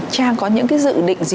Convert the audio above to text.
trang có những cái dự định gì